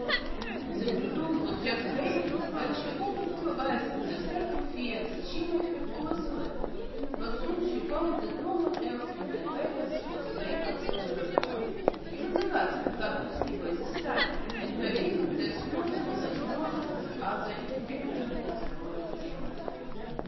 The blue dawn was just breaking when she opened her eyes with a start of fear that she might have overslept, but soon she found that no one else in the palace was yet astir. Even the guards had gone to sleep by this time and were adding their snores to the snores of the other inhabitants of the Royal Palace.